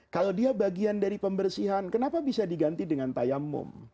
kalau dia bagian dari pembersihan kenapa bisa diganti dengan tayamum